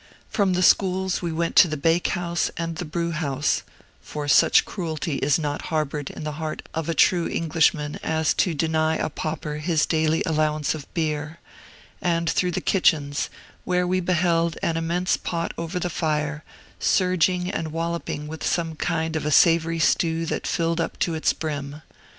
From the schools we went to the bake house, and the brew house (for such cruelty is not harbored in the heart of a true Englishman as to deny a pauper his daily allowance of beer), and through the kitchens, where we beheld an immense pot over the fire, surging and walloping with some kind of a savory stew that filled it up to its brim.